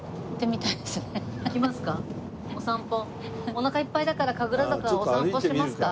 おなかいっぱいだから神楽坂お散歩しますか？